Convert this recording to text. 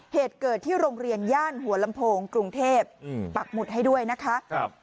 เหตุเกิดที่โรงเรียนย่านหัวลำโพงกรุงเทพปักหมุดให้ด้วยนะคะ